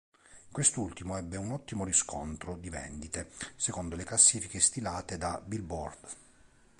Quest'ultimo ebbe un ottimo riscontro di vendite secondo le classifiche stilate da Billboard.